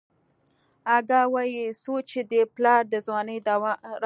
اگه وايي څو چې دې پلار د ځوانۍ دوا رانکي.